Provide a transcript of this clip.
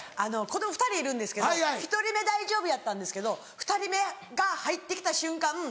子供２人いるんですけど１人目大丈夫やったんですけど２人目が入って来た瞬間